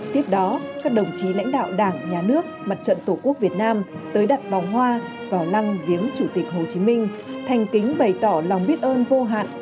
tiếp đó các đồng chí lãnh đạo đảng nhà nước mặt trận tổ quốc việt nam tới đặt vòng hoa vào lăng viếng chủ tịch hồ chí minh thành kính bày tỏ lòng biết ơn vô hạn